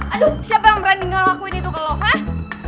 aduh siapa yang berani ngelakuin itu ke lo hah